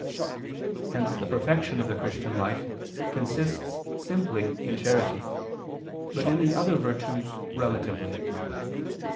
Hence the perfection of the Christian life consists simply in charity, but in the other virtues relatively.